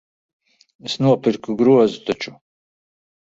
Es nopirku grozu taču.